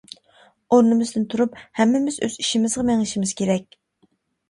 ئورنىمىزدىن تۇرۇپ، ھەممىمىز ئۆز ئىشىمىزغا مېڭىشىمىز كېرەك.